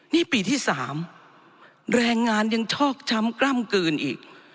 นี่ปีที่๓แรงงานยังชอกช้ำกล้ำกลืนอีก